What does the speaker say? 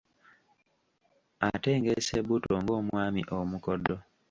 Atengeesa ebbuto, ng’omwami omukodo.